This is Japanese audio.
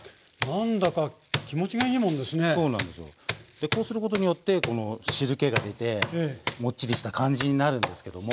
でこうすることによってこの汁けが出てもっちりした感じになるんですけども。